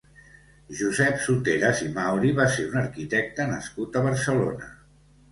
Josep Soteras i Mauri va ser un arquitecte nascut a Barcelona.